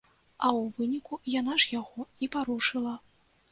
А ў выніку яна ж яго і парушыла.